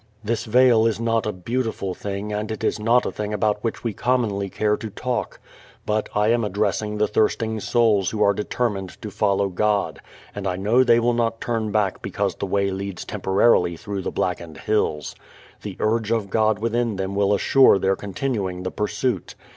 This veil is not a beautiful thing and it is not a thing about which we commonly care to talk, but I am addressing the thirsting souls who are determined to follow God, and I know they will not turn back because the way leads temporarily through the blackened hills. The urge of God within them will assure their continuing the pursuit.